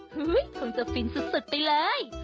คงจะฟินสุดไปเลย